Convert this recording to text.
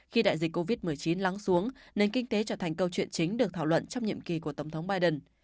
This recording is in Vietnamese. khi đại dịch covid một mươi chín lắng xuống nền kinh tế trở thành câu chuyện chính được thảo luận trong nhiệm kỳ của tổng thống biden